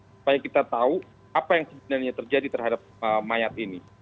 supaya kita tahu apa yang sebenarnya terjadi terhadap mayat ini